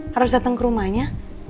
harus dateng ke rumahnya